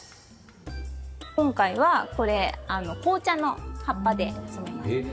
今回はこれ紅茶の葉っぱで染めます。